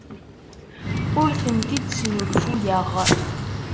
Ur tent-id-snulfuyeɣ.